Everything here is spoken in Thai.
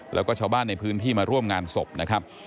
แล้วก็ชาวบ้านในพื้นที่มาร่วมงานศพนะครับ